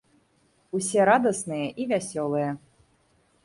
Усе радасныя і вясёлыя.